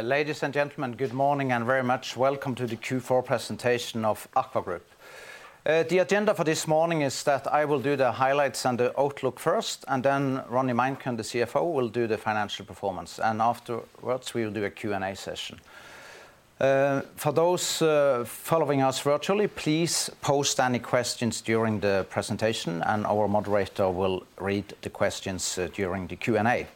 Ladies and gentlemen, good morning and very much welcome to the Q4 presentation of AKVA Group. The agenda for this morning is that I will do the highlights and the outlook first, Ronny Meinkøhn, the CFO, will do the financial performance. Afterwards, we will do a Q&A session. For those following us virtually, please post any questions during the presentation and our moderator will read the questions during the Q&A.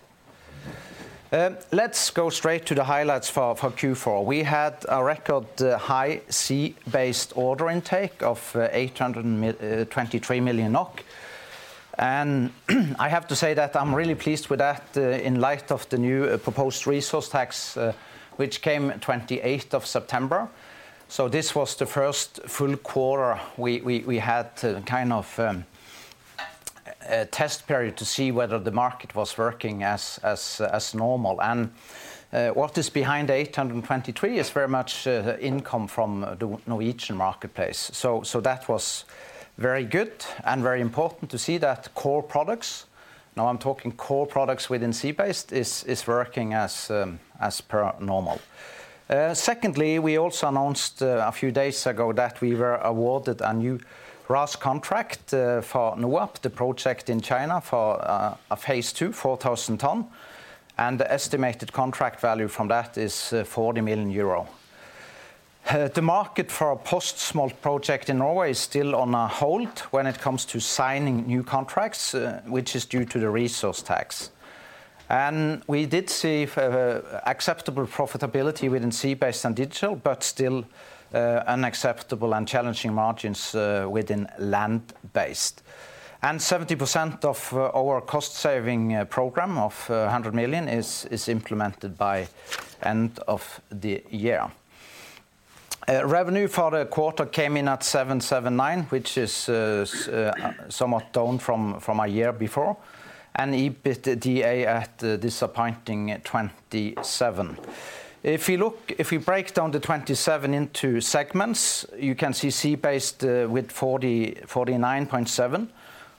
Let's go straight to the highlights for Q4. We had a record high sea-based order intake of 823 million NOK. I have to say that I'm really pleased with that in light of the new proposed resource rent tax, which came 28th of September. This was the first full quarter we had a test period to see whether the market was working as normal. What is behind 823 is very much income from the Norwegian marketplace. That was very good and very important to see that core products, now I'm talking core products within sea-based, is working as per normal. Secondly, we also announced a few days ago that we were awarded a new RAS contract for NOAP, the project in China for a phase II, 4,000 ton. The estimated contract value from that is 40 million euro. The market for our post-smolt project in Norway is still on hold when it comes to signing new contracts, which is due to the resource tax. We did see acceptable profitability within sea-based and digital, but still, unacceptable and challenging margins within land-based. 70% of our cost saving program of 100 million is implemented by end of the year. Revenue for the quarter came in at 779 million, which is somewhat down from a year before, and EBITDA at disappointing 27 million. If you break down the 27 million into segments, you can see sea-based with 49.7 million,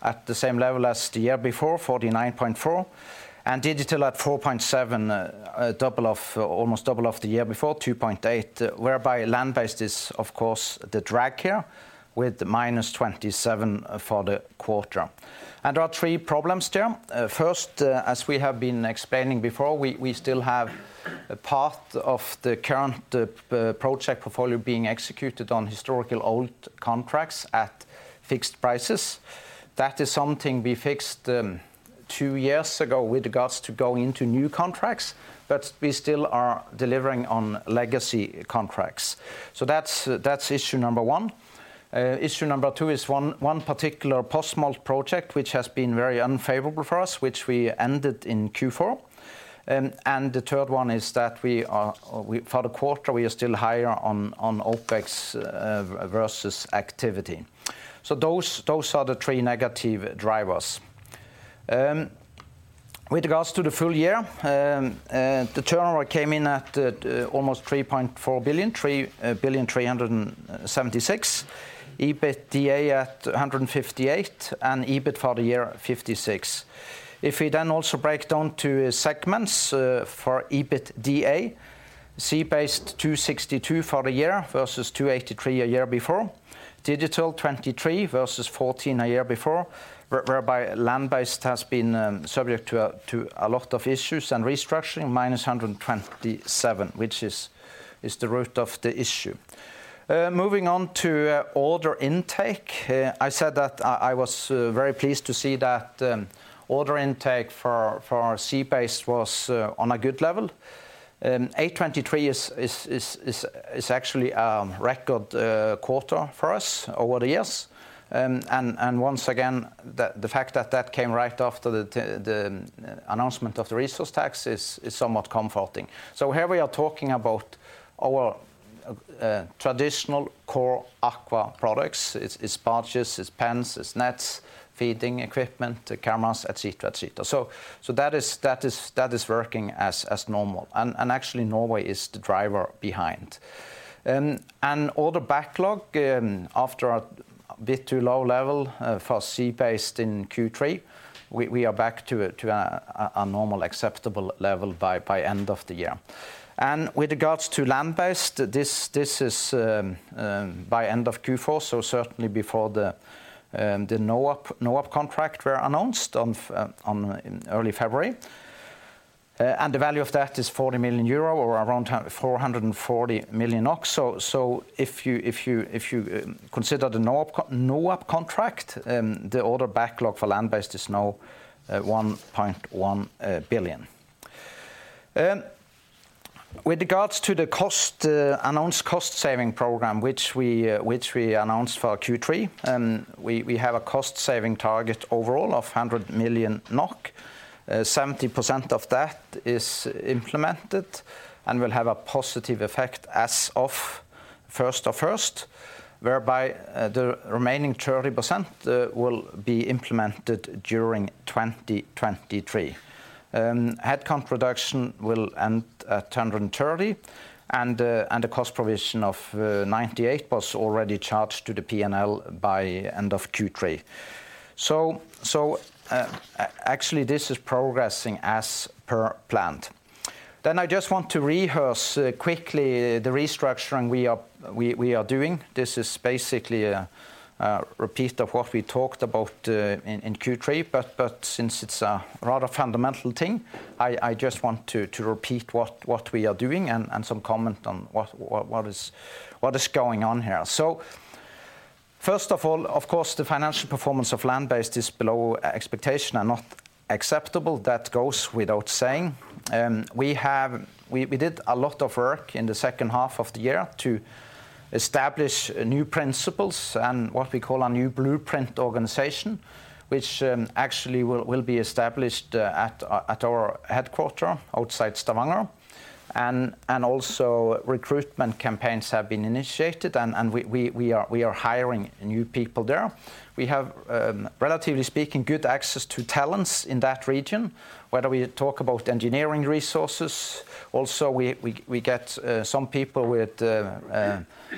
at the same level as the year before, 49.4 million. Digital at 4.7 million, a double of, almost double of the year before, 2.8 million, whereby land-based is, of course, the drag here with the minus 27 million for the quarter. There are three problems there. First, as we have been explaining before, we still have a path of the current project portfolio being executed on historical old contracts at fixed prices. That is something we fixed two years ago with regards to going into new contracts, but we still are delivering on legacy contracts. That's issue number one. Issue number two is one particular post-smolt project which has been very unfavorable for us, which we ended in Q4. The third one is that for the quarter, we are still higher on OpEx versus activity. Those are the 3 negative drivers. With regards to the full year, the turnover came in at almost 3.4 billion, 3, 376 million. EBITDA at 158, and EBIT for the year 56. If we then also break down to segments, for EBITDA, sea-based 262 for the year versus 283 a year before. Digital 23 versus 14 a year before, whereby land-based has been subject to a lot of issues and restructuring, minus 127, which is the root of the issue. Moving on to order intake. I said that I was very pleased to see that order intake for sea-based was on a good level. 823 is actually a record quarter for us over the years. Once again, the fact that that came right after the announcement of the resource rent tax is somewhat comforting. Here we are talking about our traditional core AKVA products. It's barges, it's pens, it's nets, feeding equipment, cameras, et cetera, et cetera. That is working as normal. Actually Norway is the driver behind. Order backlog after a bit too low level for sea-based in Q3, we are back to a normal acceptable level by end of the year. With regards to land-based, this is by end of Q4, so certainly before the NOAP contract were announced on early February. The value of that is 40 million euro or around 440 million. If you consider the NOAP contract, the order backlog for land-based is now 1.1 billion. With regards to the cost announced cost saving program, which we announced for Q3, we have a cost saving target overall of 100 million NOK. 70% of that is implemented and will have a positive effect as of first of first, whereby the remaining 30% will be implemented during 2023. Headcount reduction will end at 130. The cost provision of 98 million NOK was already charged to the P&L by end of Q3. Actually, this is progressing as per planned. I just want to rehearse quickly the restructuring we are doing. This is basically a repeat of what we talked about in Q3, but since it's a rather fundamental thing, I just want to repeat what we are doing and some comment on what is going on here. First of all, of course, the financial performance of land-based is below expectation and not acceptable, that goes without saying. We did a lot of work in the second half of the year to establish new principles and what we call our new blueprint organization, which actually will be established at our headquarter outside Stavanger. Also recruitment campaigns have been initiated and we are hiring new people there. We have relatively speaking, good access to talents in that region, whether we talk about engineering resources, also we get some people with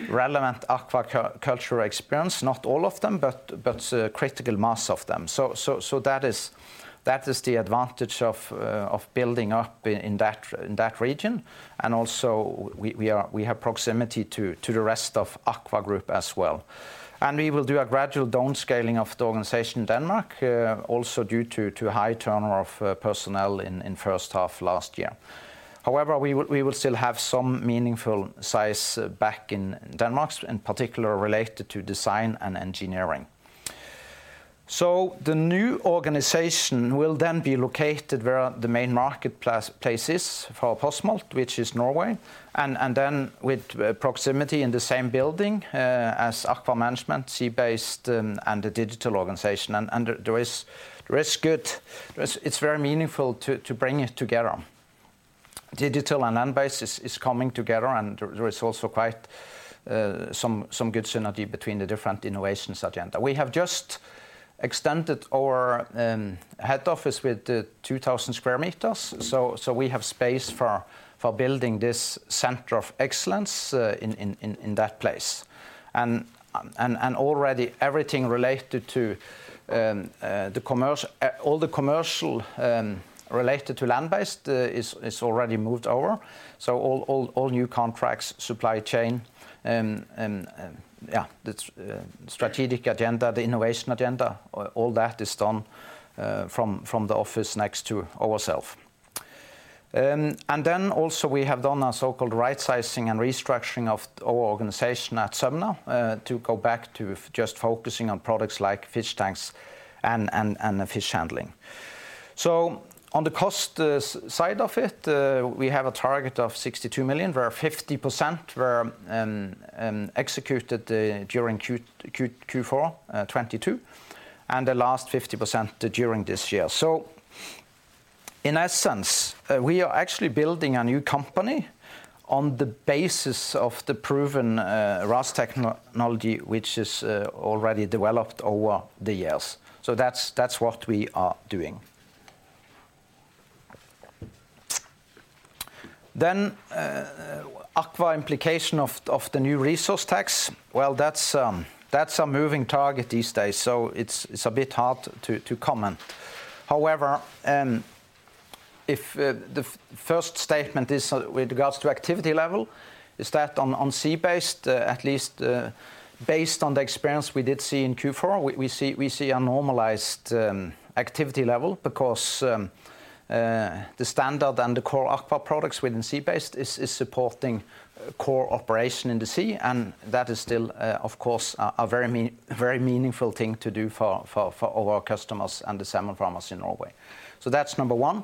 relevant aquacultural experience, not all of them, but a critical mass of them. So that is the advantage of building up in that region. Also we have proximity to the rest of AKVA Group as well. And we will do a gradual downscaling of the organization in Denmark, also due to high turnover of personnel in first half last year. However, we will still have some meaningful size back in Denmark, in particular related to design and engineering. So the new organization will then be located where the main marketplace is for post-smolt, which is Norway. With proximity in the same building as AKVA Group management, sea-based, and the digital organization. There is good. It's very meaningful to bring it together. Digital and land-based is coming together and there is also quite some good synergy between the different innovations agenda. We have just extended our head office with 2,000 square meters. We have space for building this center of excellence in that place. Already everything related to the commercial related to land-based is already moved over. All new contracts, supply chain, the strategic agenda, the innovation agenda, all that is done from the office next to ourself. Also we have done a so-called right sizing and restructuring of our organization at Sumner to go back to just focusing on products like fish tanks and fish handling. On the cost side of it, we have a target of 62 million, where 50% were executed during Q4 2022, and the last 50% during this year. In essence, we are actually building a new company on the basis of the proven RAS technology, which is already developed over the years. That's what we are doing. AKVA implication of the new resource tax. Well, that's a moving target these days, so it's a bit hard to comment. However, if the first statement is with regards to activity level, is that on sea-based, at least, based on the experience we did see in Q4, we see a normalized activity level because the standard and the core AKVA products within sea-based is supporting core operation in the sea. That is still, of course, a very meaningful thing to do for all our customers and the salmon farmers in Norway. That's number one.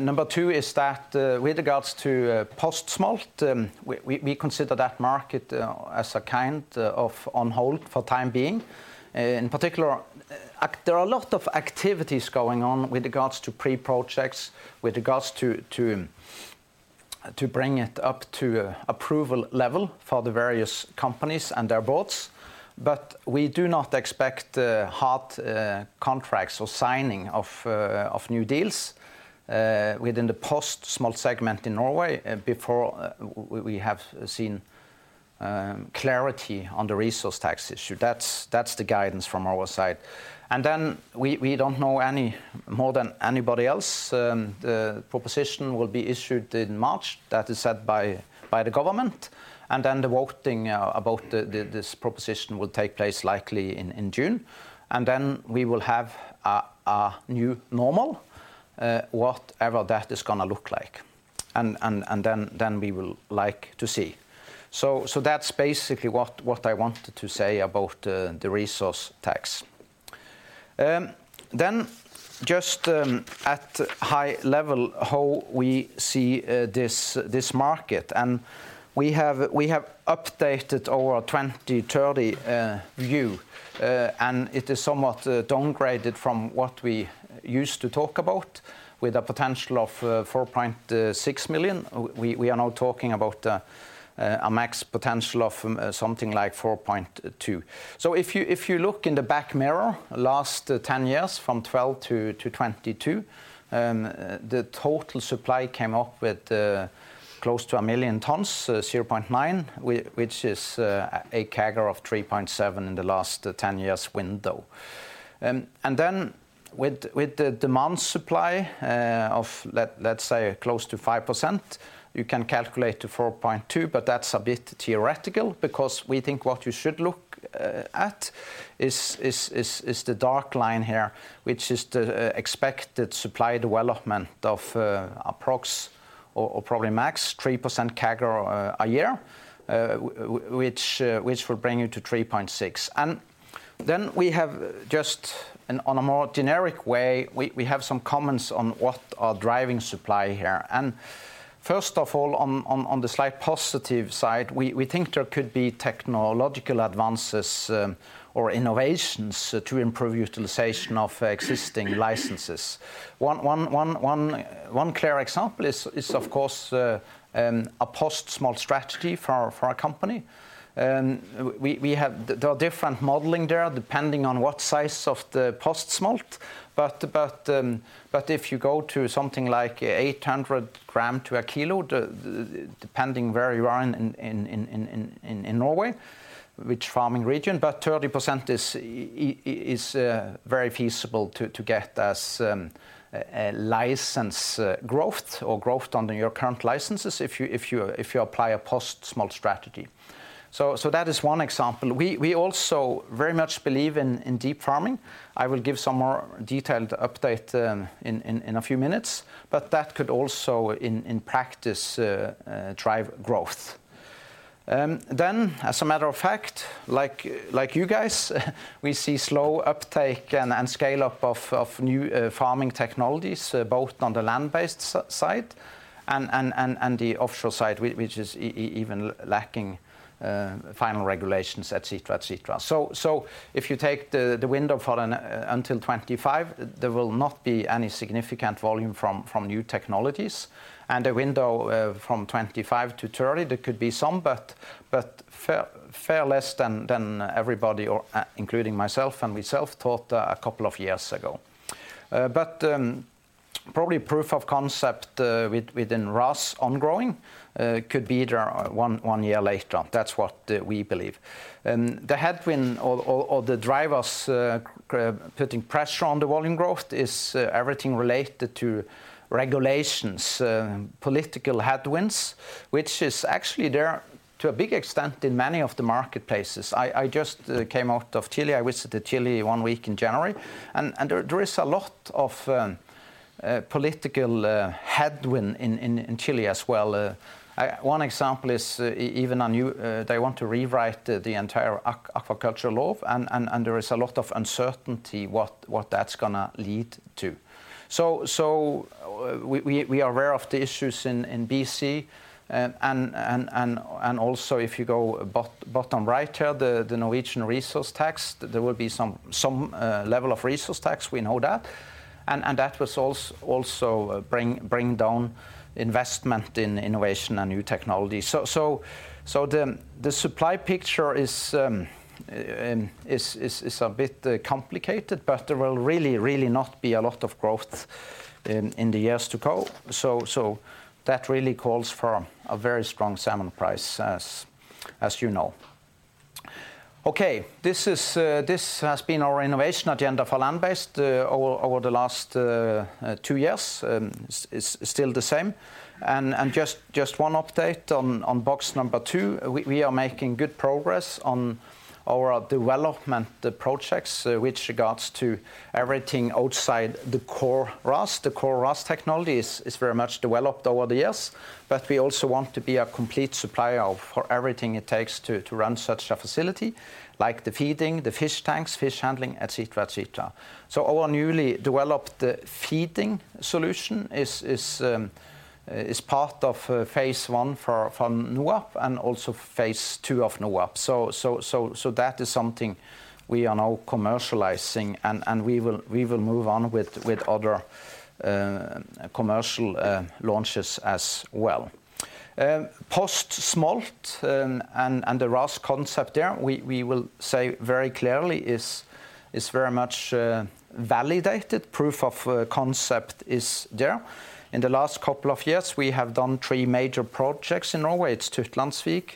Number two is that with regards to Postsmolt, we consider that market as a kind of on hold for time being. In particular, there are a lot of activities going on with regards to pre-projects, with regards to bring it up to approval level for the various companies and their boards. We do not expect hard contracts or signing of new deals within the post-smolt segment in Norway before we have seen clarity on the resource rent tax issue. That's the guidance from our side. We don't know any more than anybody else. The proposition will be issued in March. That is set by the government. The voting about this proposition will take place likely in June. We will have a new normal, whatever that is gonna look like, and then we will like to see. That's basically what I wanted to say about the resource tax. Just at high level, how we see this market, we have updated our 2030 view, and it is somewhat downgraded from what we used to talk about with a potential of 4.6 million. We are now talking about a max potential of something like 4.2. If you look in the back mirror, last 10 years from 2012 to 2022, the total supply came up with close to 1 million tons, 0.9, which is a CAGR of 3.7% in the last 10 years window. Then with the demand supply of let's say close to 5%, you can calculate to 4.2, that's a bit theoretical because we think what you should look at is the dark line here, which is the expected supply development of approx or probably max 3% CAGR a year. Which will bring you to 3.6. Then we have just on a more generic way, we have some comments on what are driving supply here. First of all, on the slight positive side, we think there could be technological advances or innovations to improve utilization of existing licenses. One clear example is of course a post-smolt strategy for our company. We have different modeling there depending on what size of the post-smolt. If you go to something like 800 gram to 1 kilo, depending where you are in Norway, which farming region, 30% is very feasible to get as a license growth or growth under your current licenses if you apply a post-smolt strategy. That is one example. We also very much believe in deep farming. I will give some more detailed update in a few minutes, but that could also in practice drive growth. As a matter of fact, like you guys, we see slow uptake and scale up of new farming technologies, both on the land-based side and the offshore side, which is even lacking final regulations, et cetera, et cetera. If you take the window for until 2025, there will not be any significant volume from new technologies. A window from 2025 to 2030, there could be some, but fair less than everybody or including myself and we self-thought a couple of years ago. Probably proof of concept within RAS on-growing could be there one year later on. That's what we believe. The headwind or the drivers putting pressure on the volume growth is everything related to regulations, political headwinds, which is actually there to a big extent in many of the marketplaces. I just came out of Chile. I visited Chile one week in January, and there is a lot of political headwind in Chile as well. One example is even a new they want to rewrite the entire aquaculture law and there is a lot of uncertainty what that's gonna lead to. We are aware of the issues in BC, and also if you go bottom right here, the Norwegian resource tax, there will be some level of resource tax, we know that. That will also bring down investment in innovation and new technology. The supply picture is a bit complicated, but there will really not be a lot of growth in the years to come. That really calls for a very strong salmon price, as you know. Okay, this has been our innovation agenda for land-based over the last two years, is still the same. Just one update on box number two, we are making good progress on our development projects with regards to everything outside the core RAS. The core RAS technology is very much developed over the years, we also want to be a complete supplier for everything it takes to run such a facility, like the feeding, the fish tanks, fish handling, et cetera, et cetera. Our newly developed feeding solution is part of phase I from NOAP and also phase II of NOAP. That is something we are now commercializing, we will move on with other commercial launches as well. Post-smolt and the RAS concept there, we will say very clearly is very much validated. Proof of concept is there. In the last couple of years, we have done three major projects in Norway. It's Tytlandsvik,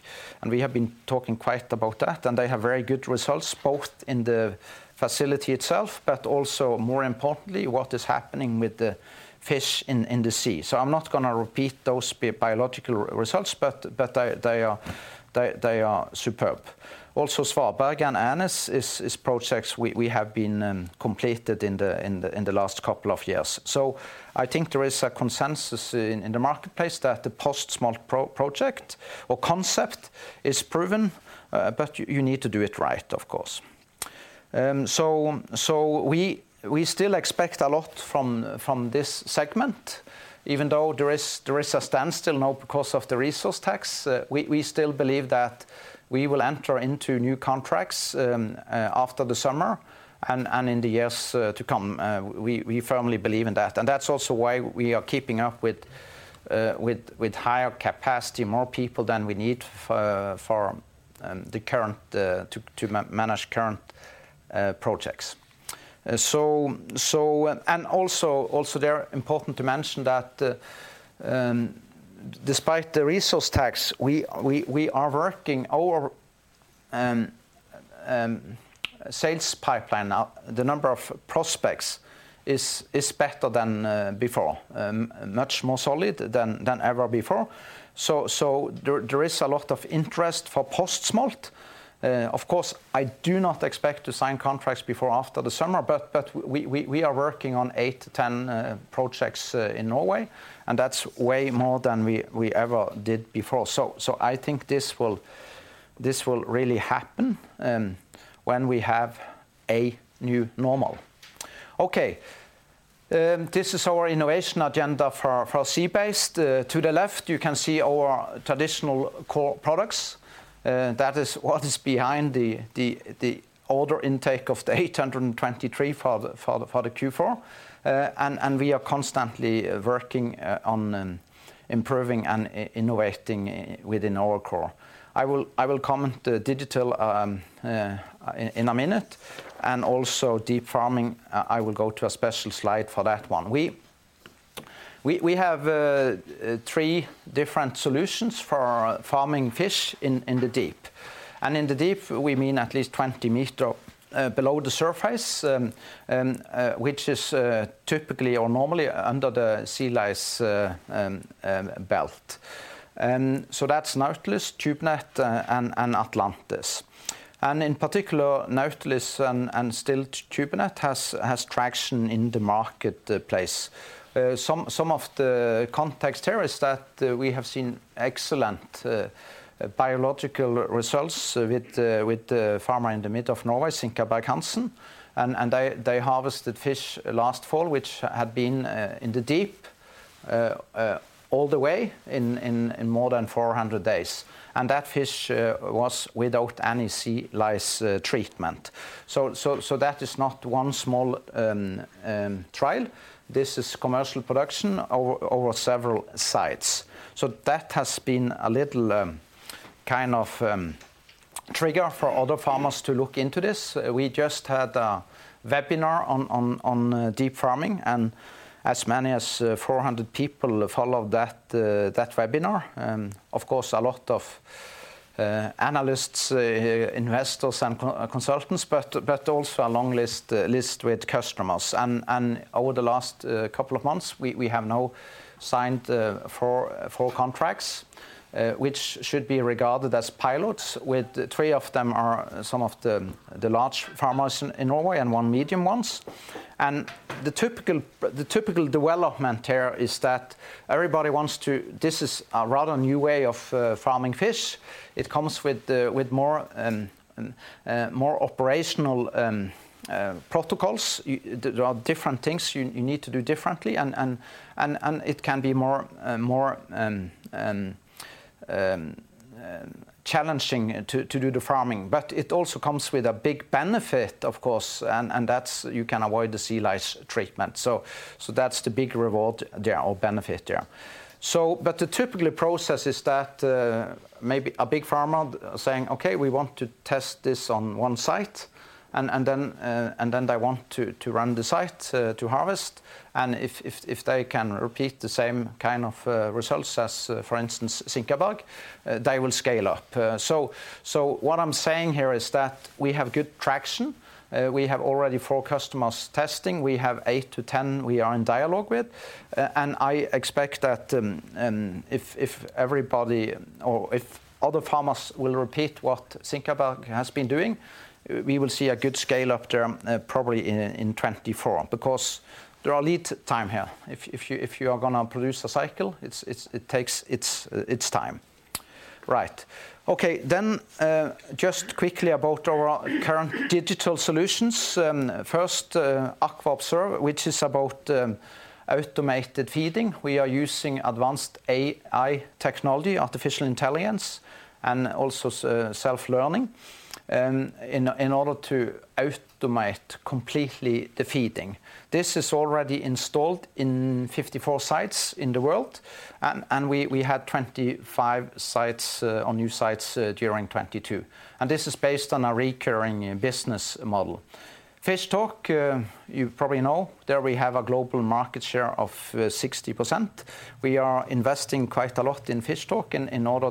we have been talking quite about that. They have very good results, both in the facility itself, but also more importantly, what is happening with the fish in the sea. I'm not gonna repeat those biological results, but they are superb. Also, Svarberg and Ænes is projects we have been completed in the last couple of years. I think there is a consensus in the marketplace that the post-smolt project or concept is proven, but you need to do it right, of course. We still expect a lot from this segment. Even though there is a standstill now because of the resource tax, we still believe that we will enter into new contracts after the summer and in the years to come. We firmly believe in that. That's also why we are keeping up with higher capacity, more people than we need for the current to man-manage current projects. Also there important to mention that despite the resource rent tax, we are working our sales pipeline. The number of prospects is better than before. Much more solid than ever before. There is a lot of interest for post-smolt. Of course, I do not expect to sign contracts before after the summer, but we are working on eight to 10 projects in Norway, that's way more than we ever did before. I think this will really happen when we have a new normal. This is our innovation agenda for sea-based. To the left, you can see our traditional core products. That is what is behind the order intake of 823 for the Q4. We are constantly working on improving and innovating within our core. I will comment digital in a minute, and also deep farming, I will go to a special slide for that one. We have three different solutions for farming fish in the deep. In the deep, we mean at least 20 meter below the surface, which is typically or normally under the sea lice belt. That's Nautilus, Tubenet, and Atlantis. In particular, Nautilus and still Tubenet has traction in the marketplace. Some of the context here is that we have seen excellent biological results with the farmer in the mid of Norway, Sinkaberg-Hansen. They harvested fish last fall, which had been in the deep all the way in more than 400 days. That fish was without any sea lice treatment. That is not one small trial. This is commercial production over several sites. That has been a little kind of trigger for other farmers to look into this. We just had a webinar on deep farming, and as many as 400 people followed that webinar. Of course, a lot of analysts, investors, and consultants, also a long list with customers. Over the last couple of months, we have now signed four contracts, which should be regarded as pilots, with 3 of them are some of the large farmers in Norway and one medium ones. The typical development here is that everybody. This is a rather new way of farming fish. It comes with more operational protocols. There are different things you need to do differently and it can be more challenging to do the farming. It also comes with a big benefit, of course, and that's you can avoid the sea lice treatment. That's the big reward there or benefit there. But the typical process is that maybe a big farmer saying, "Okay, we want to test this on one site," and then they want to run the site to harvest. If they can repeat the same kind of results as, for instance, Sinkaberg, they will scale up. What I'm saying here is that we have good traction. We have already four customers testing. We have eight to 10 we are in dialogue with. I expect that if everybody or if other farmers will repeat what Sinkaberg has been doing, we will see a good scale up there, probably in 2024, because there are lead time here. If you are gonna produce a cycle, it takes its time. Right. Okay. Then, just quickly about our current digital solutions. First, AKVA observe, which is about automated feeding. We are using advanced AI technology, artificial intelligence, and also self-learning in order to automate completely the feeding. This is already installed in 54 sites in the world and we had 25 sites, or new sites, during 2022. This is based on a recurring business model. fishtalk, you probably know there we have a global market share of 60%. We are investing quite a lot in fishtalk in order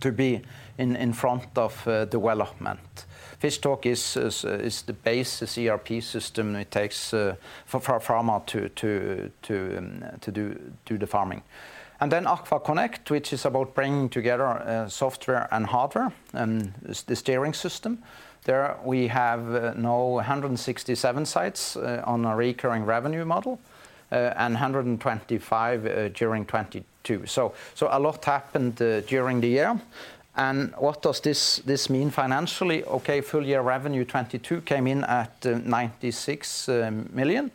to be in front of development. fishtalk is the base, the ERP system it takes for a farmer to do the farming. AKVA connect, which is about bringing together software and hardware, the steering system. There we have now 167 sites on a recurring revenue model and 125 during 2022. A lot happened during the year. What does this mean financially? Okay. Full year revenue 2022 came in at 96 million,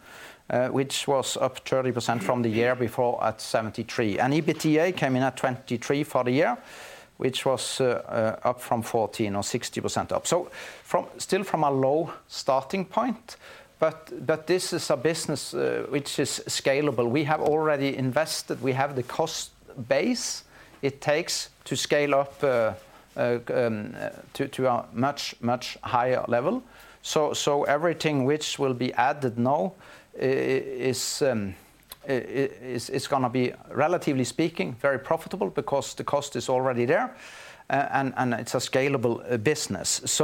which was up 30% from the year before at 73 million. EBITDA came in at 23 million for the year, which was up from 14 million or 60% up. Still from a low starting point, but this is a business which is scalable. We have already invested. We have the cost base it takes to scale up to a much, much higher level. Everything which will be added now is gonna be, relatively speaking, very profitable because the cost is already there and it's a scalable business.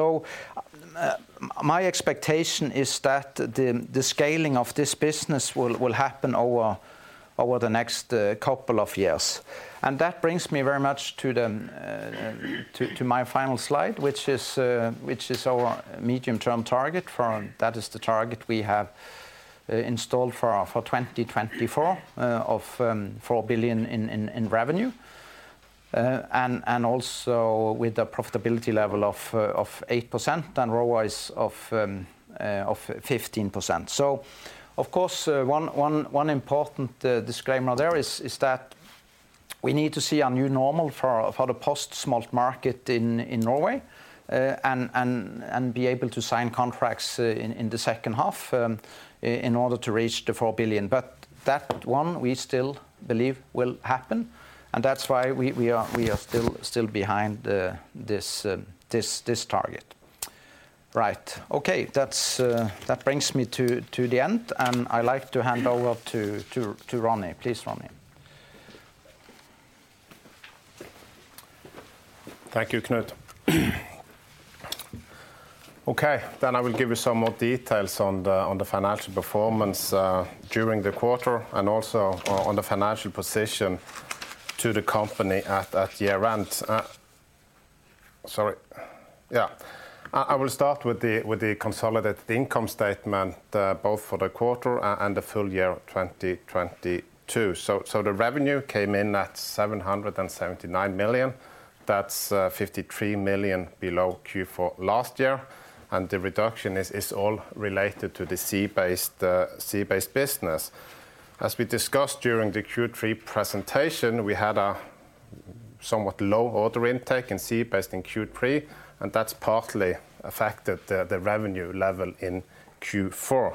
My expectation is that the scaling of this business will happen over the next couple of years. That brings me very much to the to my final slide, which is our medium-term target for... That is the target we have installed for 2024, of 4 billion in revenue. Also with the profitability level of 8% and ROIC of 15%. Of course, one important disclaimer there is that we need to see a new normal for the post-smolt market in Norway, and be able to sign contracts in the second half, in order to reach the 4 billion. That one we still believe will happen, and that's why we are still behind this target. Right. Okay. That's that brings me to the end, and I'd like to hand over to Ronny. Please, Ronny. Thank you, Knut. Okay. I will give you some more details on the financial performance during the quarter and also on the financial position to the company at that year-end. Sorry. Yeah. I will start with the consolidated income statement, both for the quarter and the full year of 2022. The revenue came in at 779 million. That's 53 million below Q4 last year. The reduction is all related to the sea-based business. As we discussed during the Q3 presentation, we had a somewhat low order intake in sea-based in Q3, and that's partly affected the revenue level in Q4.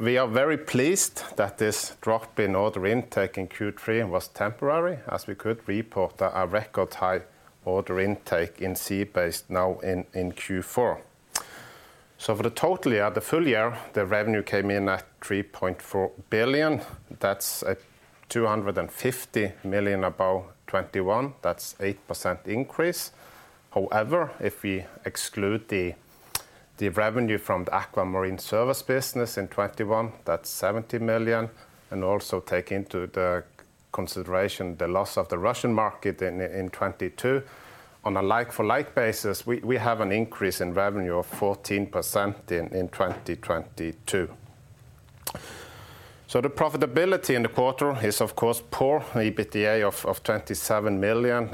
We are very pleased that this drop in order intake in Q3 was temporary, as we could report a record high order intake in sea-based now in Q4. For the totally of the full year, the revenue came in at 3.4 billion. That's 250 million above 2021. That's 8% increase. However, if we exclude the revenue from the aquamarine service business in 2021, that's 70 million, and also take into consideration the loss of the Russian market in 2022, on a like for like basis, we have an increase in revenue of 14% in 2022. The profitability in the quarter is of course poor. EBITDA of NOK 27 million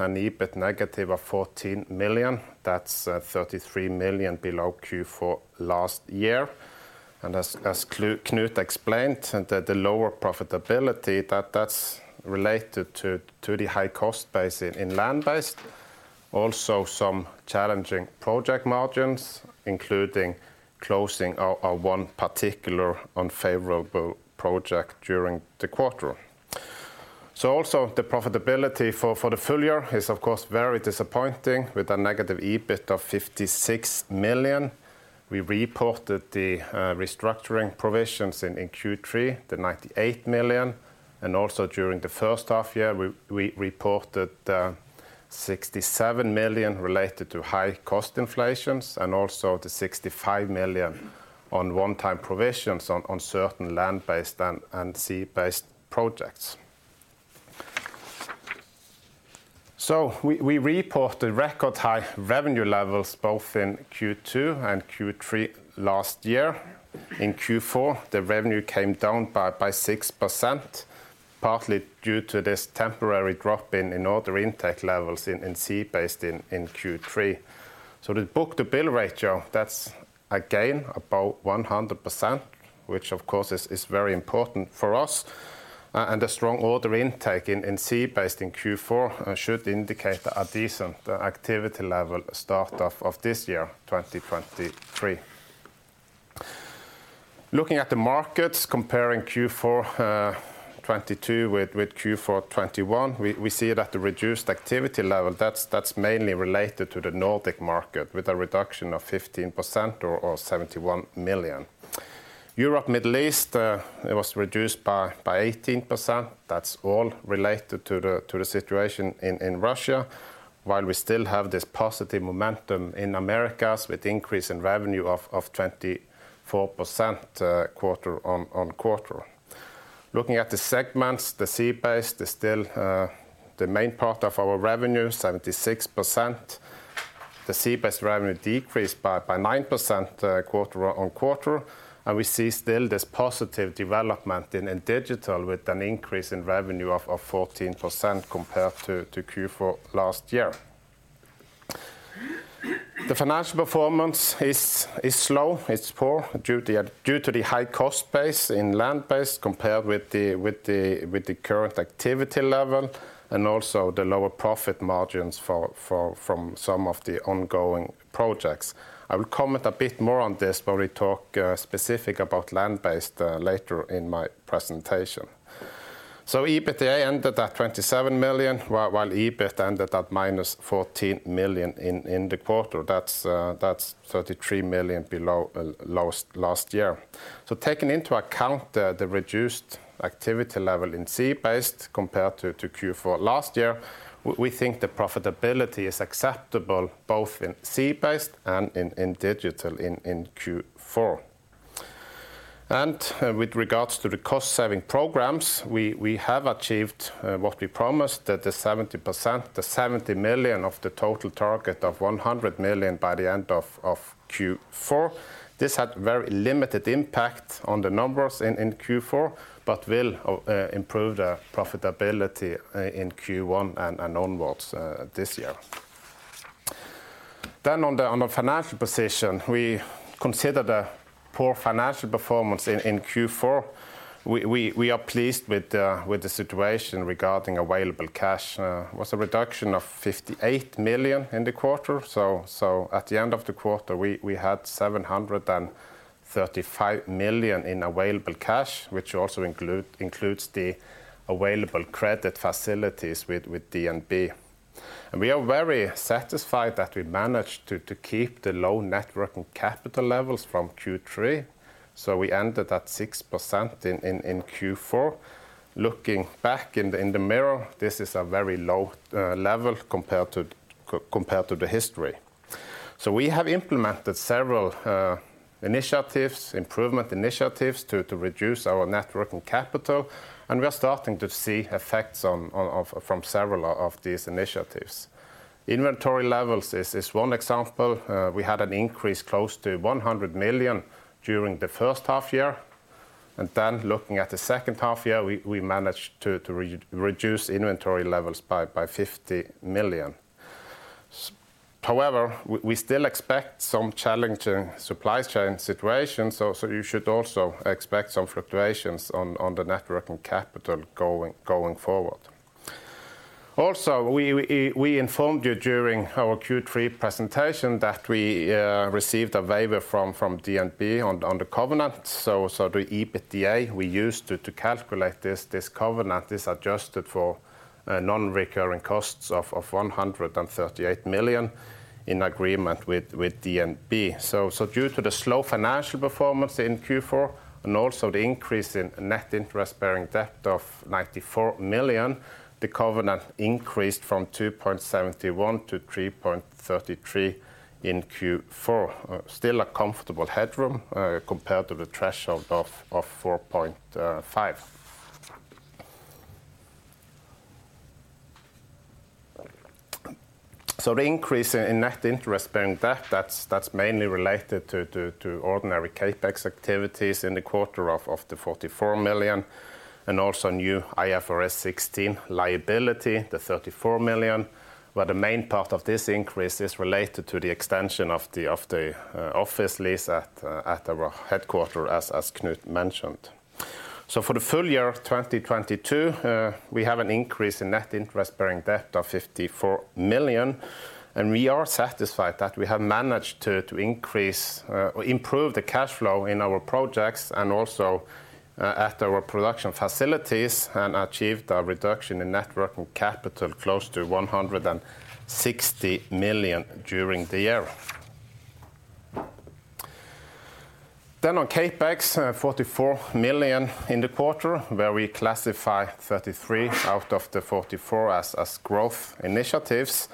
and EBIT negative of NOK 14 million. That's NOK 33 million below Q4 last year. As Knut explained, and the lower profitability that's related to the high cost base in land-based, also some challenging project margins, including closing of one particular unfavorable project during the quarter. Also the profitability for the full year is of course very disappointing with a negative EBIT of NOK 56 million. We reported the restructuring provisions in Q3, the NOK 98 million, and also during the first half year we reported NOK 67 million related to high cost inflations and also the NOK 65 million on one-time provisions on certain land-based and sea-based projects. We report the record high revenue levels both in Q2 and Q3 last year. In Q4, the revenue came down by 6%, partly due to this temporary drop in order intake levels in sea-based in Q3. The book-to-bill ratio, that's again about 100%, which of course is very important for us, and a strong order intake in sea-based in Q4 should indicate a decent activity level start of this year, 2023. Looking at the markets, comparing Q4 2022 with Q4 2021, we see that the reduced activity level, that's mainly related to the Nordic market with a reduction of 15% or 71 million. Europe, Middle East, it was reduced by 18%. That's all related to the situation in Russia, while we still have this positive momentum in Americas with increase in revenue of 24% quarter on quarter. Looking at the segments, the sea-based is still the main part of our revenue, 76%. The sea-based revenue decreased by 9% quarter on quarter, and we see still this positive development in digital with an increase in revenue of 14% compared to Q4 last year. The financial performance is slow, it's poor, due to the high cost base in land-based compared with the current activity level and also the lower profit margins from some of the ongoing projects. I will comment a bit more on this when we talk specific about land-based later in my presentation. EBITDA ended at 27 million while EBIT ended at minus 14 million in the quarter. That's 33 million below last year. Taking into account the reduced activity level in sea-based compared to Q4 last year, we think the profitability is acceptable both in sea-based and in digital in Q4. With regards to the cost-saving programs, we have achieved what we promised, that the 70%, the 70 million of the total target of 100 million by the end of Q4. This had very limited impact on the numbers in Q4, but will improve the profitability in Q1 and onwards this year. On a financial position, we consider the poor financial performance in Q4. We are pleased with the situation regarding available cash. Was a reduction of 58 million in the quarter. At the end of the quarter, we had 735 million in available cash, which also includes the available credit facilities with DNB. We are very satisfied that we managed to keep the low net working capital levels from Q3, so we ended at 6% in Q4. Looking back in the mirror, this is a very low level compared to the history. We have implemented several initiatives, improvement initiatives to reduce our net working capital, and we are starting to see effects from several of these initiatives. Inventory levels is one example. We had an increase close to 100 million during the first half year, and then looking at the second half year, we managed to reduce inventory levels by 50 million. However, we still expect some challenging supply chain situations, so you should also expect some fluctuations on the net working capital going forward. Also, we informed you during our Q3 presentation that we received a waiver from DNB on the covenant. The EBITDA we used to calculate this covenant is adjusted for non-recurring costs of 138 million in agreement with DNB. Due to the slow financial performance in Q4 and also the increase in net interest-bearing debt of 94 million, the covenant increased from 2.71 to 3.33 in Q4. Still a comfortable headroom compared to the threshold of 4.5. The increase in net interest-bearing debt, that's mainly related to ordinary CapEx activities in the quarter of 44 million and also new IFRS 16 liability, 34 million, where the main part of this increase is related to the extension of the office lease at our headquarters, as Knut mentioned. For the full year of 2022, we have an increase in net interest-bearing debt of 54 million, and we are satisfied that we have managed to increase or improve the cash flow in our projects and also at our production facilities and achieved a reduction in net working capital close to 160 million during the year. On CapEx, 44 million in the quarter, where we classify 33 out of the 44 as growth initiatives.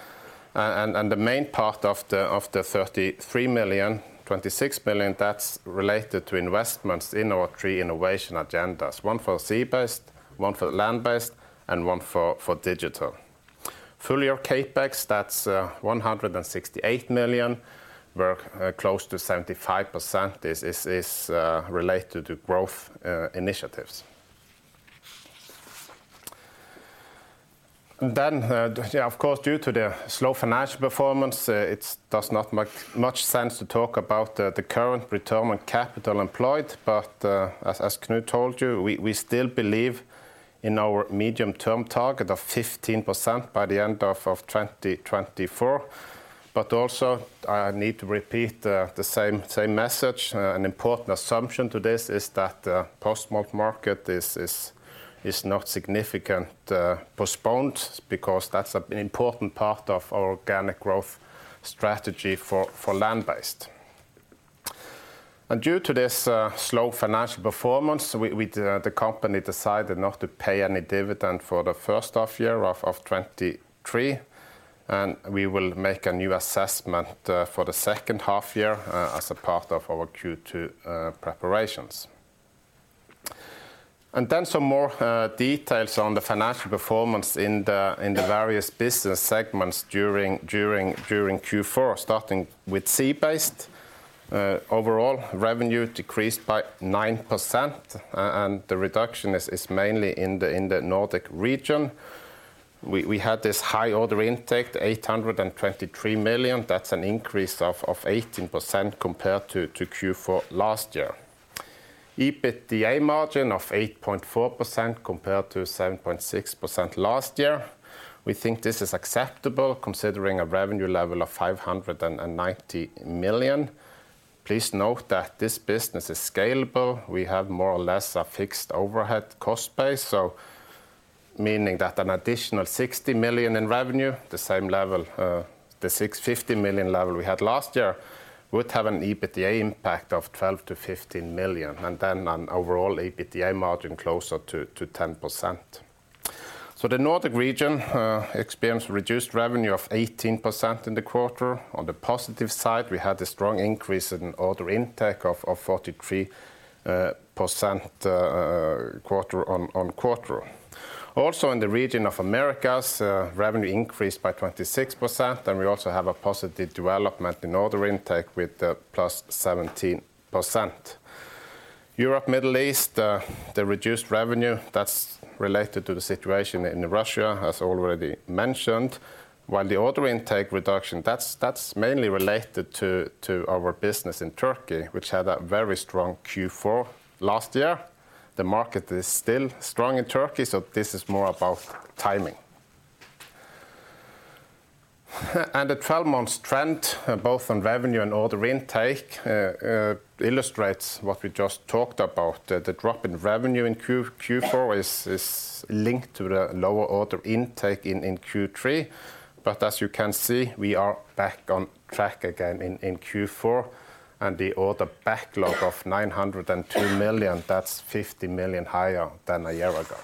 The main part of the 33 million, 26 million, that's related to investments in our three innovation agendas, one for sea-based, one for land-based, and one for digital. Full year CapEx, that's 168 million, where close to 75% is related to growth initiatives. Of course, due to the slow financial performance, it's does not make much sense to talk about the current return on capital employed. As Knut told you, we still believe in our medium-term target of 15% by the end of 2024. Also, I need to repeat the same message. An important assumption to this is that post-smolt market is not significant postponed because that's an important part of our organic growth strategy for land-based. Due to this slow financial performance, we the company decided not to pay any dividend for the first half year of 2023, and we will make a new assessment for the second half year as a part of our Q2 preparations. Some more details on the financial performance in the various business segments during Q4, starting with sea-based. Overall revenue decreased by 9%, and the reduction is mainly in the Nordic region. We had this high order intake, 823 million. That's an increase of 18% compared to Q4 last year. EBITDA margin of 8.4% compared to 7.6% last year. We think this is acceptable considering a revenue level of 590 million. Please note that this business is scalable. We have more or less a fixed overhead cost base, so meaning that an additional 60 million in revenue, the same level, the 50 million level we had last year, would have an EBITDA impact of 12 million-15 million, and then an overall EBITDA margin closer to 10%. The Nordic region experienced reduced revenue of 18% in the quarter. On the positive side, we had a strong increase in order intake of 43% quarter on quarter. In the region of Americas, revenue increased by 26%, and we also have a positive development in order intake with plus 17%. Europe, Middle East, the reduced revenue, that's related to the situation in Russia, as already mentioned. The order intake reduction, that's mainly related to our business in Turkey, which had a very strong Q4 last year. The market is still strong in Turkey, so this is more about timing. The 12-months trend, both on revenue and order intake, illustrates what we just talked about. The drop in revenue in Q4 is linked to the lower order intake in Q3. As you can see, we are back on track again in Q4, and the order backlog of 902 million, that's 50 million higher than a year ago.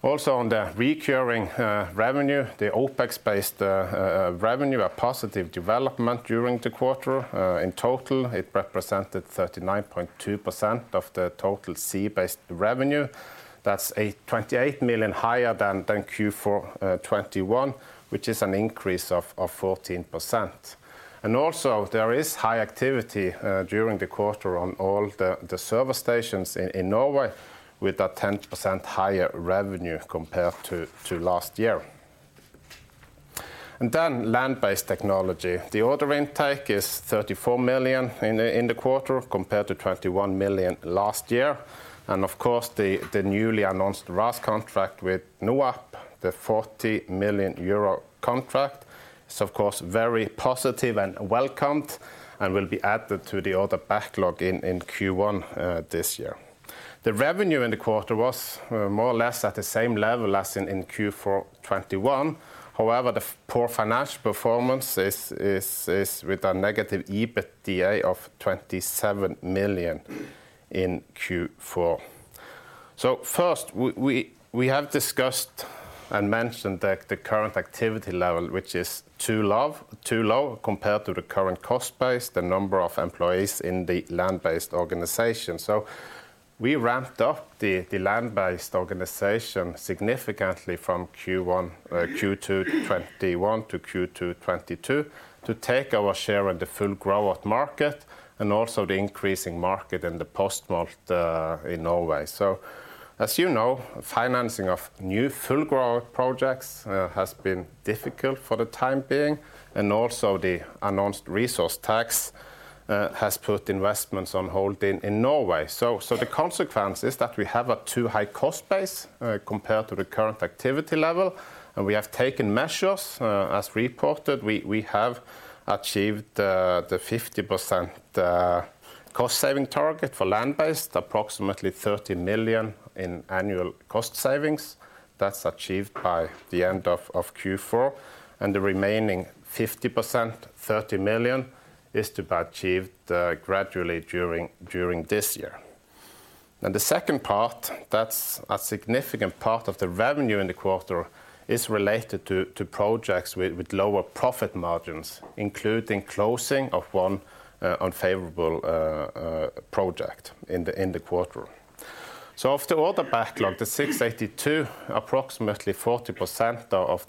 On the recurring revenue, the OpEx-based revenue, a positive development during the quarter. In total, it represented 39.2% of the total sea-based revenue. That's 28 million higher than Q4 2021, which is an increase of 14%. There is high activity during the quarter on all the service stations in Norway, with a 10% higher revenue compared to last year. Land-based technology. The order intake is 34 million in the quarter, compared to 21 million last year. The newly announced RAS contract with NOAP, the 40 million euro contract, is of course very positive and welcomed and will be added to the order backlog in Q1 this year. The revenue in the quarter was more or less at the same level as in Q4 2021. The poor financial performance is with a negative EBITDA of 27 million in Q4. First, we have discussed and mentioned the current activity level, which is too low compared to the current cost base, the number of employees in the land-based organization. We ramped up the land-based organization significantly from Q1, Q2 2021 to Q2 2022 to take our share in the full grow-out market and also the increasing market in the post-smolt in Norway. As you know, financing of new full grow projects has been difficult for the time being, and also the announced resource rent tax has put investments on hold in Norway. The consequence is that we have a too high cost base compared to the current activity level, and we have taken measures. As reported, we have achieved the 50% cost saving target for land-based, approximately 30 million in annual cost savings. That's achieved by the end of Q4. The remaining 50%, 30 million, is to be achieved gradually during this year. The second part, that's a significant part of the revenue in the quarter, is related to projects with lower profit margins, including closing of one unfavorable project in the quarter. Of the order backlog, the 682, approximately 40% of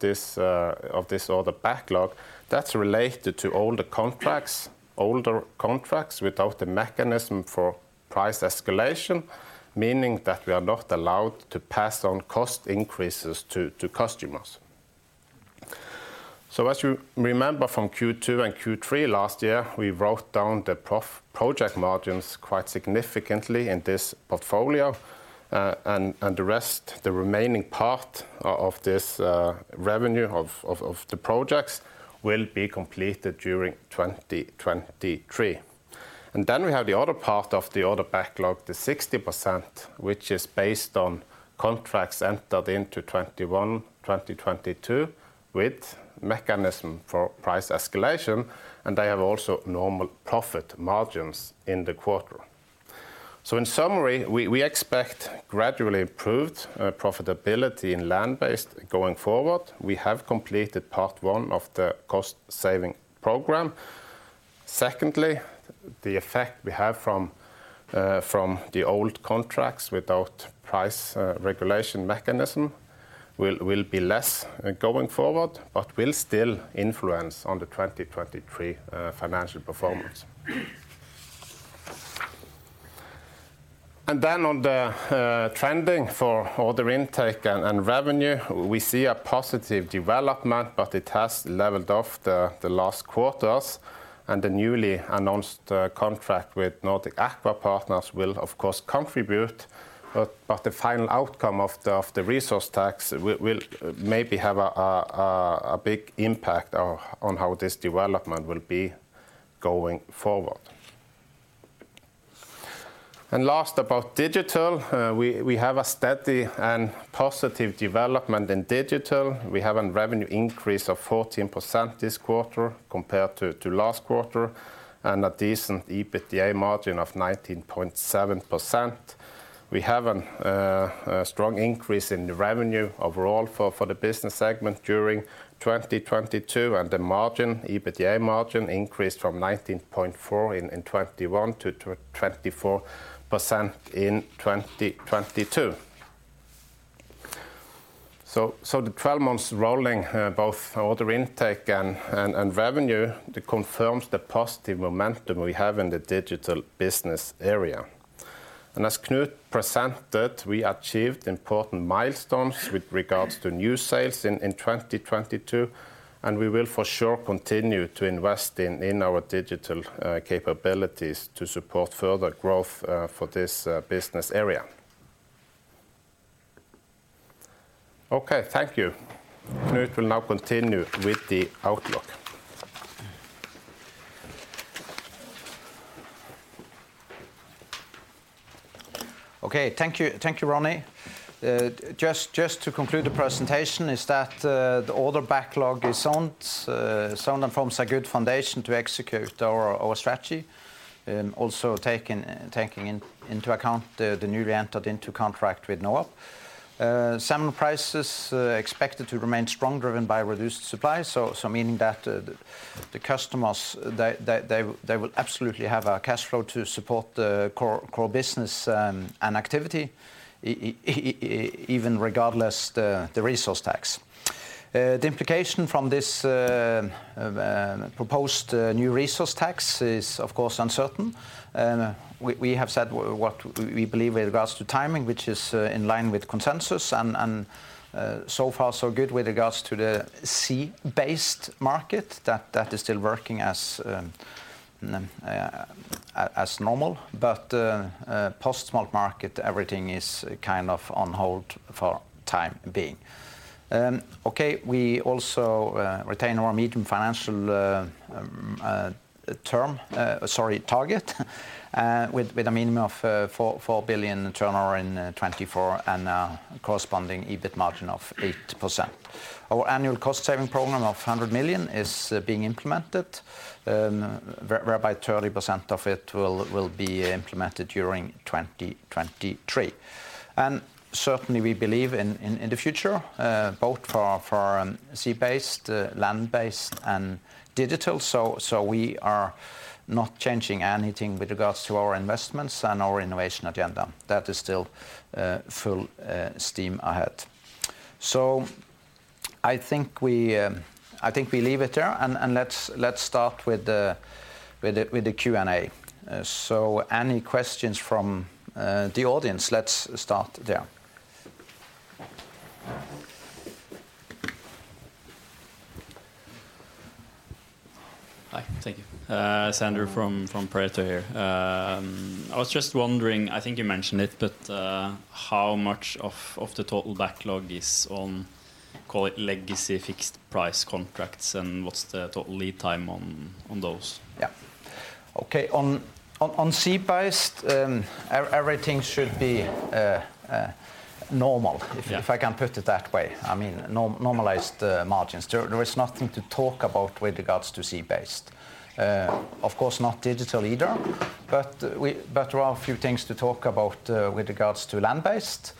this order backlog, that's related to older contracts, older contracts without the mechanism for price escalation, meaning that we are not allowed to pass on cost increases to customers. As you remember from Q2 and Q3 last year, we wrote down the project margins quite significantly in this portfolio. And the rest, the remaining part of this revenue of the projects will be completed during 2023. We have the other part of the order backlog, the 60%, which is based on contracts entered into 2021, 2022, with mechanism for price escalation, and they have also normal profit margins in the quarter. In summary, we expect gradually improved profitability in land-based going forward. We have completed part one of the cost saving program. Secondly, the effect we have from the old contracts without price regulation mechanism will be less going forward, but will still influence on the 2023 financial performance. On the trending for order intake and revenue, we see a positive development, but it has leveled off the last quarters. The newly announced contract with Nordic Aqua Partners will of course contribute, but the final outcome of the resource tax will maybe have a big impact on how this development will be going forward. Last about digital, we have a steady and positive development in digital. We have a revenue increase of 14% this quarter compared to last quarter, and a decent EBITDA margin of 19.7%. We have a strong increase in the revenue overall for the business segment during 2022, and the margin, EBITDA margin increased from 19.4 in 2021 to 24% in 2022. The 12 months rolling, both order intake and revenue, it confirms the positive momentum we have in the digital business area. As Knut presented, we achieved important milestones with regards to new sales in 2022, and we will for sure continue to invest in our digital capabilities to support further growth for this business area. Okay, thank you. Knut will now continue with the outlook. Okay, thank you. Thank you, Ronny. Just to conclude the presentation is that the order backlog is sound and forms a good foundation to execute our strategy, also taking into account the newly entered into contract with Nuuk. Salmon prices expected to remain strong, driven by reduced supply, so meaning that the customers, they will absolutely have a cash flow to support the core business and activity even regardless the resource tax. The implication from this proposed new resource tax is of course uncertain. We have said what we believe with regards to timing, which is in line with consensus and so far so good with regards to the sea-based market that is still working as normal. Post-smolt market, everything is kind of on hold for time being. Okay, we also retain our medium financial term, sorry, target with a minimum of 4 billion turnover in 2024 and corresponding EBIT margin of 8%. Our annual cost saving program of 100 million is being implemented, whereby 30% of it will be implemented during 2023. Certainly we believe in the future, both for sea-based, land-based and digital. We are not changing anything with regards to our investments and our innovation agenda. That is still full steam ahead. I think we leave it there and let's start with the Q&A. Any questions from the audience? Let's start there. Hi. Thank you. Sandra from Pareto here. I was just wondering, I think you mentioned it, but how much of the total backlog is on, call it, legacy fixed price contracts, and what's the total lead time on those? Yeah. Okay. On sea-based, everything should be normal... Yeah if I can put it that way, I mean, nor-normalized margins. There is nothing to talk about with regards to sea-based. Of course not digital either, but there are a few things to talk about with regards to land-based.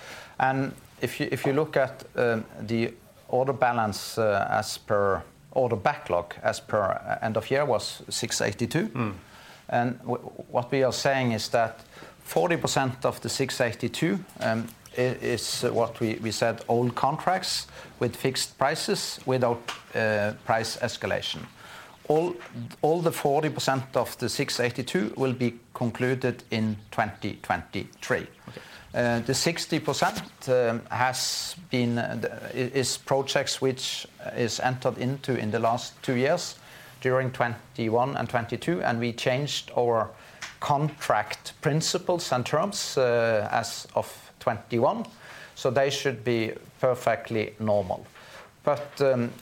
If you look at the order balance as per order backlog as per end of year was 682. What we are saying is that 40% of the 682, is what we said old contracts with fixed prices without price escalation. All the 40% of the 682 will be concluded in 2023. Okay. The 60% has been is projects which is entered into in the last two years, during 2021 and 2022. We changed our contract principles and terms as of 2021, so they should be perfectly normal.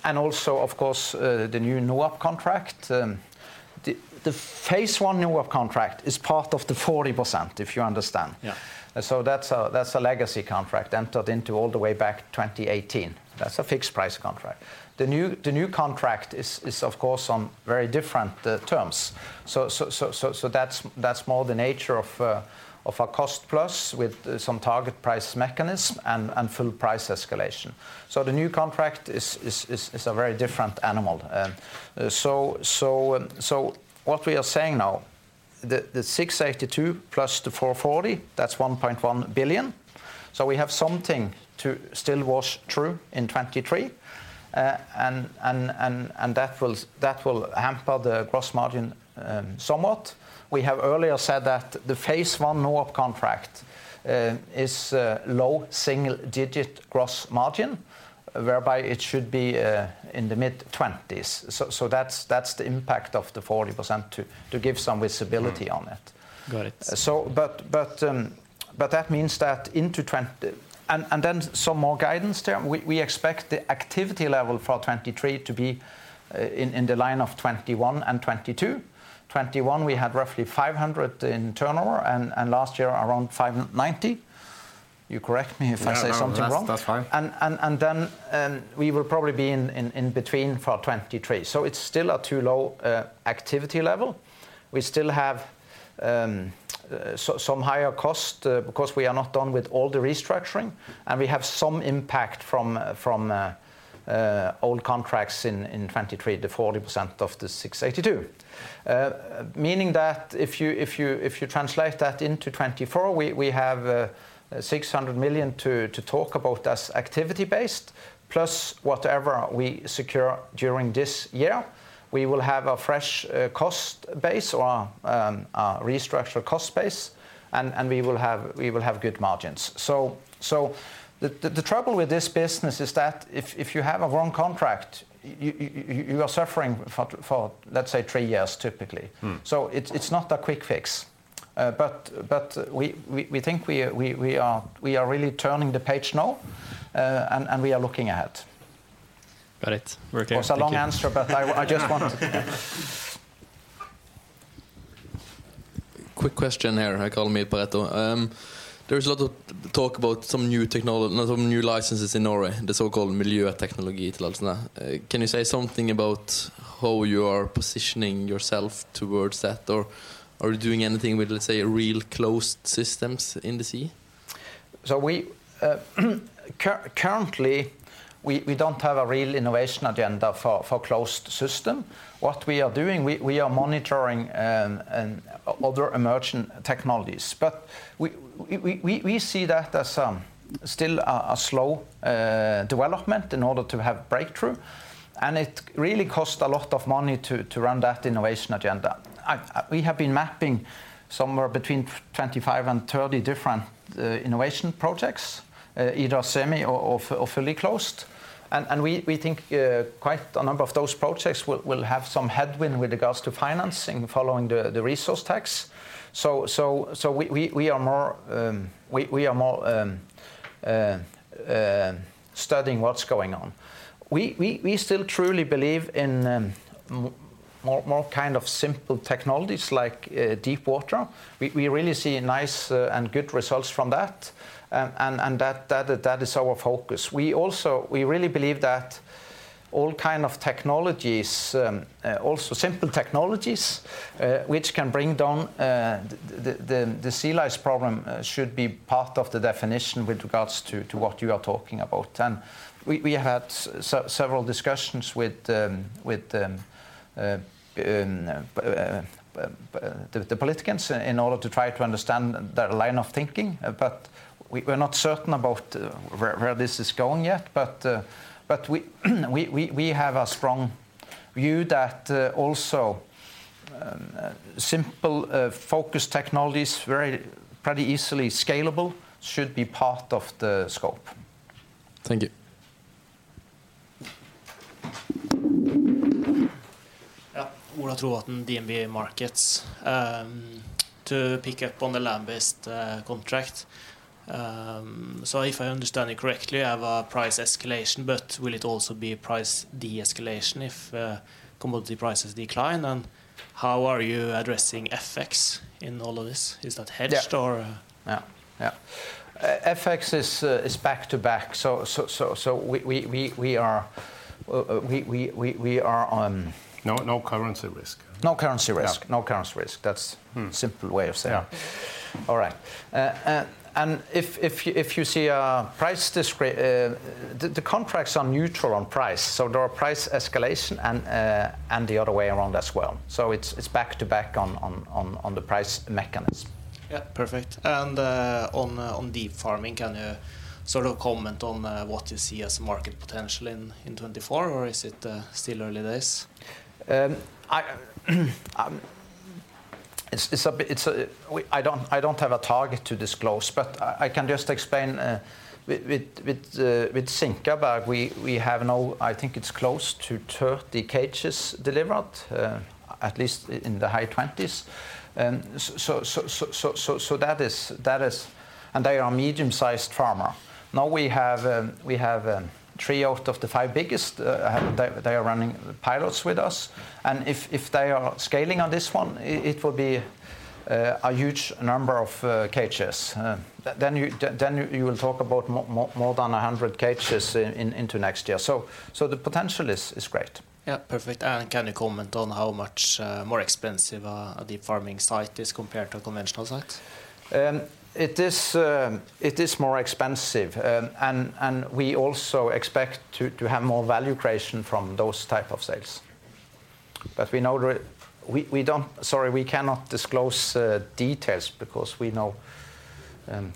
Also, of course, the new Nuuk contract, the phase I Nuuk contract is part of the 40%, if you understand. Yeah. That's a, that's a legacy contract entered into all the way back 2018. That's a fixed price contract. The new contract is of course on very different terms. That's more the nature of a cost plus with some target price mechanism and full price escalation. The new contract is a very different animal. What we are saying now, the 682 million plus the 440 million, that's 1.1 billion. We have something to still wash through in 2023. And that will, that will hamper the gross margin somewhat. We have earlier said that the phase I Nuuk contract is low single-digit gross margin, whereby it should be in the mid-20s. That's the impact of the 40% to give some visibility on it. Got it. That means that and then some more guidance there. We expect the activity level for 2023 to be in the line of 2021 and 2022. 2021 we had roughly 500 in turnover and last year around 590. You correct me if I say something wrong. Yeah. No, that's fine. We will probably be in between for 2023. It's still a too low activity level. We still have some higher cost because we are not done with all the restructuring and we have some impact from old contracts in 2023, the 40% of the 682. Meaning that if you translate that into 2024, we have 600 million to talk about as activity-based, plus whatever we secure during this year. We will have a fresh cost base or restructure cost base and we will have good margins. The trouble with this business is that if you have a wrong contract, you are suffering for let's say three years typically. It's not a quick fix. We think we are really turning the page now, and we are looking ahead. Got it. Very clear. Thank you. It was a long answer- but I just want- Quick question here. Hi, Carl Mitreto. There is a lot of talk about some new not only new licenses in Norway, the so-called milieu technology, can you say something about how you are positioning yourself towards that? Are you doing anything with, let's say, real closed systems in the sea? We currently don't have a real innovation agenda for closed system. What we are doing, we are monitoring other emerging technologies. We see that as still a slow development in order to have breakthrough and it really costs a lot of money to run that innovation agenda. We have been mapping somewhere between 25 and 30 different innovation projects, either semi or fully closed and we think quite a number of those projects will have some headwind with regards to financing following the resource tax. We are more, we are more studying what's going on. We still truly believe in more kind of simple technologies like deep water. We really see nice and good results from that, and that is our focus. We also really believe that all kind of technologies, also simple technologies, which can bring down the sea lice problem, should be part of the definition with regards to what you are talking about. We had several discussions with the politicians in order to try to understand their line of thinking. We're not certain about where this is going yet. We have a strong view that also simple focused technologies very pretty easily scalable should be part of the scope. Thank you. Yeah. Ola Trovatn, DNB Markets. To pick up on the land-based contract, if I understand it correctly, you have a price escalation, but will it also be price de-escalation if commodity prices decline? How are you addressing FX in all of this? Is that hedged or? Yeah. FX is back to back. We are. No, no currency risk. No currency risk. Yeah. No currency risk. That's simple way of saying. Yeah. All right. If you see a price the contracts are neutral on price so there are price escalation and the other way around as well. It's back to back on the price mechanism. Yeah. Perfect. On deep farming, can you sort of comment on what you see as market potential in 2024 or is it still early days? I don't have a target to disclose but I can just explain, with Sinkaberg we have now I think it's close to 30 cages delivered, at least in the high 20s. So that is... They are a medium-sized farmer. Now we have three out of the five biggest, they are running pilots with us. If they are scaling on this one, it will be a huge number of cages. Then you will talk about more than 100 cages into next year. The potential is great. Yeah. Perfect. Can you comment on how much more expensive a deep farming site is compared to conventional sites? It is, it is more expensive. We also expect to have more value creation from those type of sites. We know the-- we don't, sorry, we cannot disclose, details because we know,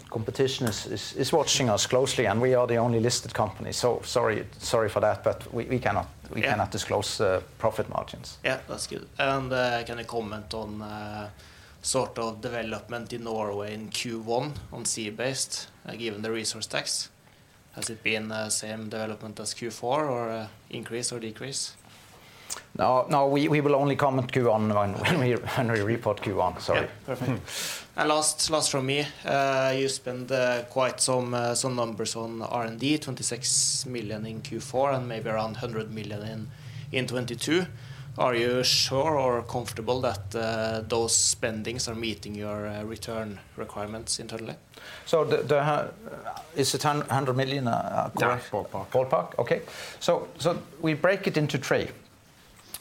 competition is watching us closely and we are the only listed company. Sorry for that but we cannot- Yeah. We cannot disclose the profit margins. Yeah. That's good. Can you comment on, sort of development in Norway in Q1 on sea-based, given the resource tax? Has it been the same development as Q4 or, increase or decrease? No, we will only comment Q1 when we report Q1, sorry. Yeah. Perfect. Last from me. You spend quite some numbers on R&D, 26 million in Q4 and maybe around 100 million in 2022. Are you sure or comfortable that, those spendings are meeting your, return requirements internally? Is it 100 million NOK, correct? Yeah. Ballpark. Ballpark. Okay. We break it into three.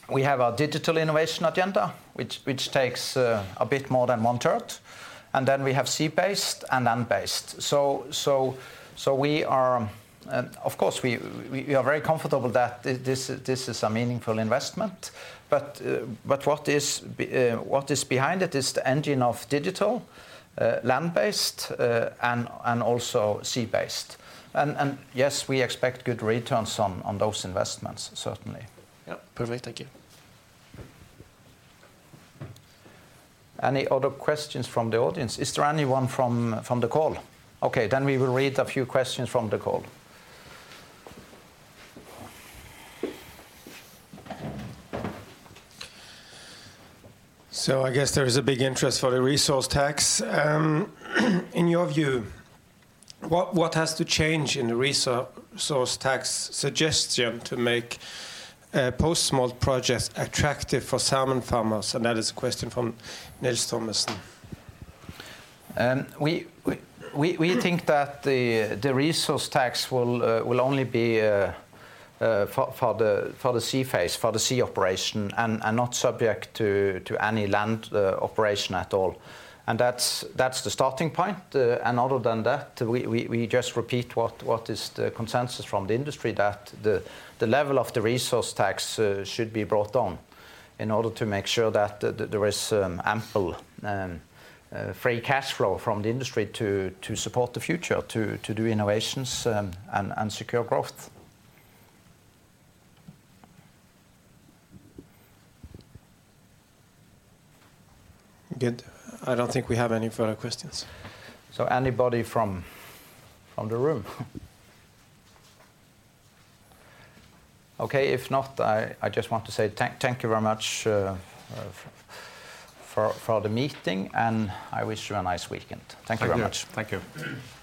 We have our digital innovation agenda which takes a bit more than one third, and then we have sea-based and land-based. We are-- Of course we are very comfortable that this is a meaningful investment. What is behind it is the engine of digital, land-based, and also sea-based. Yes, we expect good returns on those investments certainly. Yeah. Perfect. Thank you. Any other questions from the audience? Is there anyone from the call? Okay, we will read a few questions from the call. I guess there is a big interest for the resource rent tax. In your view, what has to change in the resource rent tax suggestion to make post-smolt projects attractive for salmon farmers? That is a question from Nils Thommessen. We think that the resource tax will only be for the sea phase, for the sea operation and not subject to any land operation at all. That's the starting point. Other than that, we just repeat what is the consensus from the industry that the level of the resource tax should be brought on in order to make sure that there is ample free cash flow from the industry to support the future to do innovations and secure growth. Good. I don't think we have any further questions. Anybody from the room? Okay. If not, I just want to say thank you very much for the meeting, I wish you a nice weekend. Thank you very much. Thank you. Thank you.